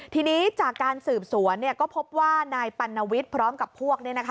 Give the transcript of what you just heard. ทีนี้จากการสืบสวนก็พบว่านายปัณวิทย์พร้อมกับพวก